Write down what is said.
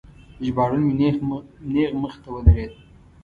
ژباړن مې نیغ مخې ته ودرید.